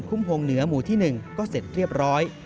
ชาวชุมชนคุ้มฮงเหนือหมู่ที่หนึ่งก็เสร็จเรียบร้อย